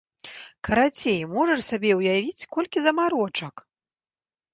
Карацей, можаш сабе ўявіць, колькі замарочак!